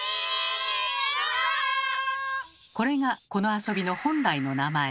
これがこの遊びの本来の名前。